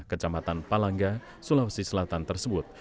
kecamatan palangga sulawesi selatan tersebut